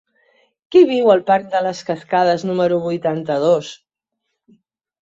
Qui viu al parc de les Cascades número vuitanta-dos?